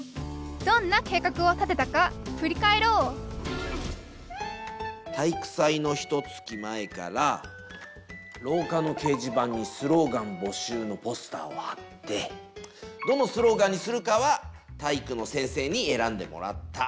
どんな計画を立てたか振り返ろう体育祭のひとつき前からろうかの掲示板にスローガン募集のポスターを貼ってどのスローガンにするかは体育の先生に選んでもらった。